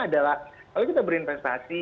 adalah kalau kita berinvestasi